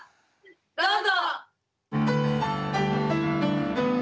どうぞ！